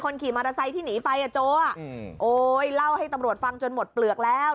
ขี่มอเตอร์ไซค์ที่หนีไปอ่ะโจอ่ะโอ๊ยเล่าให้ตำรวจฟังจนหมดเปลือกแล้ว